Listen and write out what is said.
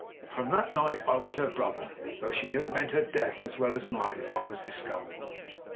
From that night I was her brother, though she knew it meant her death as well as mine if I was discovered.